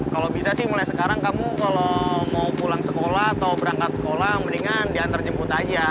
kalau bisa sih mulai sekarang kamu kalau mau pulang sekolah atau berangkat sekolah mendingan diantar jemput aja